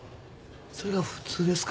それが普通ですか？